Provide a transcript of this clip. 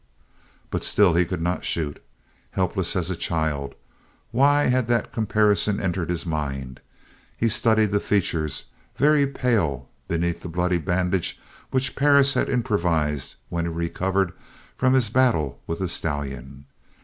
But still he could not shoot. "Helpless as a child" why had that comparison entered his mind? He studied the features, very pale beneath the bloody bandage which Perris had improvised when he recovered from his battle with the stallion.